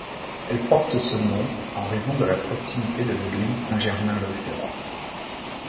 Elle porte ce nom en raison de la proximité de l'église Saint-Germain-l'Auxerrois.